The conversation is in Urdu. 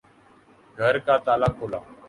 گھر کا تالا کھولا